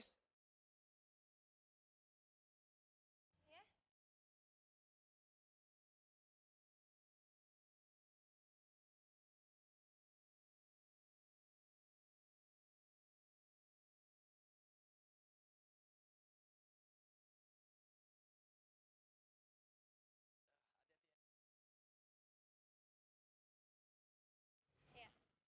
sampai jumpa lagi